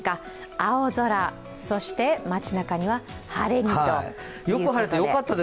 青空、そして街なかには晴れ着ということで。